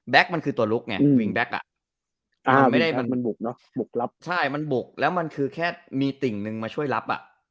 แบ็คมันคือตัวลุกไงอ่ามันบุกเนอะบุกรับใช่มันบุกแล้วมันคือแค่มีติ่งนึงมาช่วยรับอ่ะ